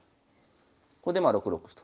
ここでまあ６六歩と。